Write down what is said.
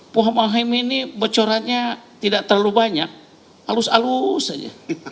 pak mohaimin ini bocorannya tidak terlalu banyak halus halus aja